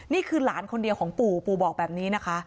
นี่คือหลานคนเดียวของปู่ปู่บอกแบบนี้นะคะ